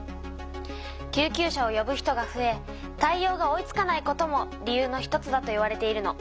救急車をよぶ人がふえ対おうが追いつかないことも理由の一つだといわれているの。